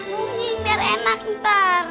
nungging biar enak ntar